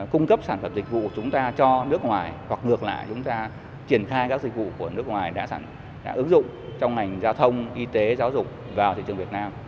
cung cấp sản phẩm dịch vụ của chúng ta cho nước ngoài hoặc ngược lại chúng ta triển khai các dịch vụ của nước ngoài đã ứng dụng trong ngành giao thông y tế giáo dục vào thị trường việt nam